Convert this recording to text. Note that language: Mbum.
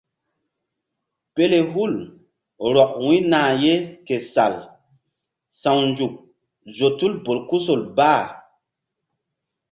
Pelehul rɔk wu̧y nah ye ke sal sawnzuk zo tul bolkusol bah.